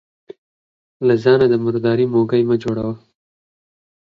له ځانه د مرداري موږى مه جوړوه.